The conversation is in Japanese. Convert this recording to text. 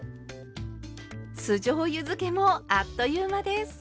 酢じょうゆづけもあっという間です。